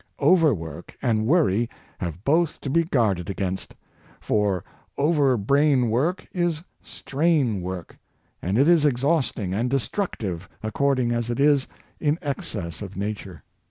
Overwork and worry have both to be guarded against. For over brain work is strain work; and it is exhausting and destructive according as it is in excess of nature.